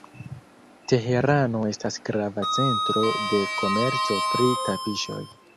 Teherano estas grava centro de komerco pri tapiŝoj.